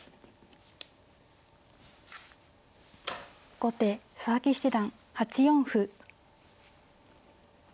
後手佐々木七段８四歩。